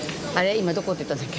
今どこって言ったんだっけ？